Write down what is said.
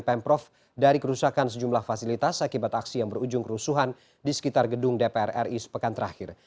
pemprov dari kerusakan sejumlah fasilitas akibat aksi yang berujung kerusuhan di sekitar gedung dpr ri sepekan terakhir